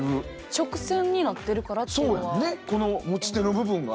直線になってるからっていうのは。